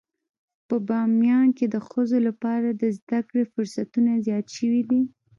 په باميان کې د ښځو لپاره د زده کړې فرصتونه زيات شوي دي.